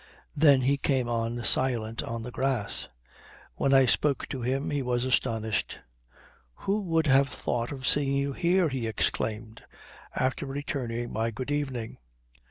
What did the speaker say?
Then he came on silent on the grass. When I spoke to him he was astonished. "Who would have thought of seeing you here!" he exclaimed, after returning my good evening.